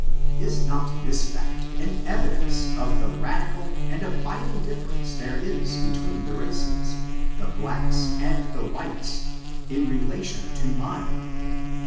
Is not this fact an evidence of the radical and abiding dif ference there is between the races — the blacks and the whites — in relation to mind